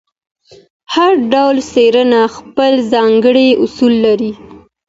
هر ډول څېړنه خپل ځانګړي اصول لري.